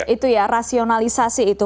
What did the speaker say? itu ya rasionalisasi itu